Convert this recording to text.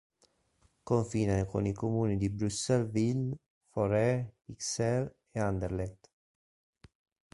Confina con i comuni di Bruxelles-Ville, Forest, Ixelles e Anderlecht.